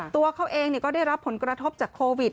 ตัวเขาเองก็ได้รับผลกระทบจากโควิด